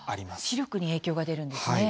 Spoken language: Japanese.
視力に影響が出るんですね。